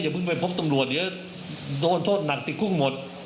เพิ่งไปพบตำรวจเดี๋ยวโดนโทษหนักติดคุกหมด